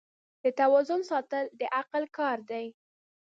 د توازن ساتل د عقل کار دی.